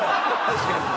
確かに。